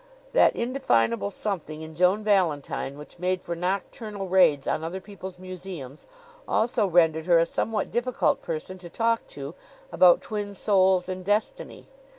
That indefinable something in Joan Valentine which made for nocturnal raids on other people's museums also rendered her a somewhat difficult person to talk to about twin souls and destiny.